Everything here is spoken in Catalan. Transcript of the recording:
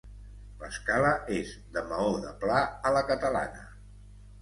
L'escala és de maó de pla a la catalana.